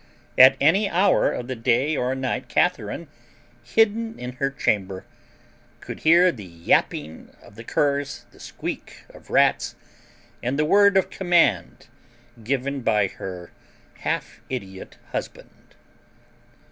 At any hour of the day or night Catharine, hidden in her chamber, could hear the yapping of the curs, the squeak of rats, and the word of command given by her half idiot husband.